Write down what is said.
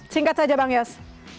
singkat saja bang yus